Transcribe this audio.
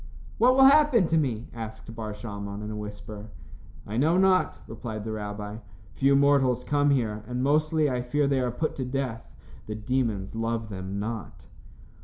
"What will happen to me?" asked Bar Shalmon, in a whisper. "I know not," replied the rabbi. "Few mortals come here, and mostly, I fear they are put to death. The demons love them not."